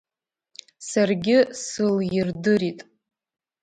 Саргьы сылирдырит.